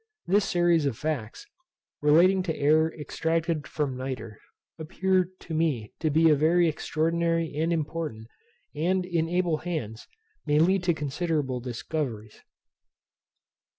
This series of facts, relating to air extracted from nitre, appear to me to be very extraordinary and important, and, in able hands, may lead to considerable discoveries.